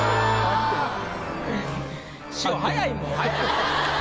師匠早いもん。